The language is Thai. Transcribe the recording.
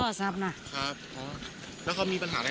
ก็เด้ารักวู่เฒรเยามมีปัญหาอะไรว่ะ